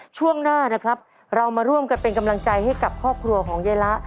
ช่วงหน้านะครับเรามาร่วมกันเป็นกำลังใจให้กับครอบครัวของยายละ